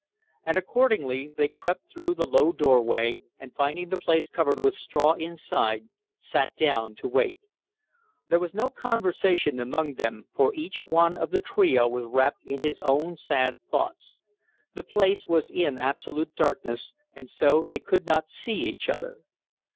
And accordingly, they crept through the low doorway, and finding the place covered with straw inside, sat down to wait. There was no conversation among them, for each one of the trio was wrapped in his own sad thoughts. The place was in absolute darkness, and so they could not see each other.